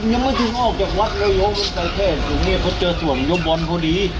ยังไม่ถึงออกจากวัดแล้วโยมใจเทศตรงนี้เขาเจอส่วนโยมบอลพอดี